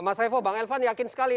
mas revo bang elvan yakin sekali